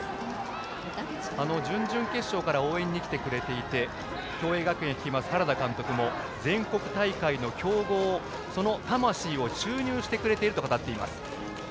準々決勝から応援に来てくれていて共栄学園を率います原田監督も全国大会の強豪その魂を注入してくれていると語っています。